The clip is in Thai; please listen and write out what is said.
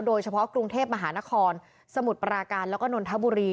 โดยเฉพาะกรุงเทพมหานครสมุทรปราการแล้วก็นนทบุรี